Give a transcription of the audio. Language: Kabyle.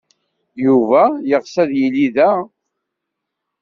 Yuba yeɣs ad yili da.